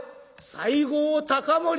「西郷隆盛」。